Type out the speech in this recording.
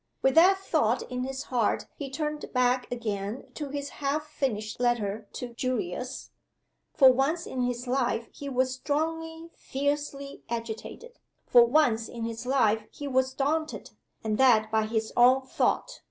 With that thought in his heart he turned back again to his half finished letter to Julius. For once in his life he was strongly, fiercely agitated. For once in his life he was daunted and that by his Own Thought!